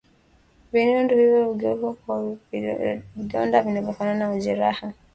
Vinundu hivyo hugeuka kuwa vidonda vinavyofanana na majeraha